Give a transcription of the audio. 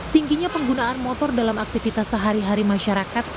tingginya penggunaan motor dalam aktivitas sehari hari masyarakat